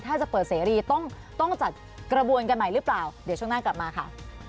ถ้าจะเปิดเสรีต้องจัดกระบวนกันใหม่หรือเปล่าเดี๋ยวช่วงหน้ากลับมาค่ะ